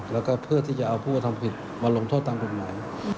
แล้วก็เพื่อที่จะเอาผู้กระทำผิดมาลงโทษตามกฎหมาย